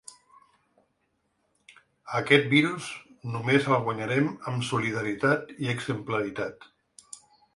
Aquest virus només el guanyarem amb solidaritat i exemplaritat.